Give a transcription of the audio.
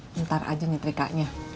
bentar aja nih terikanya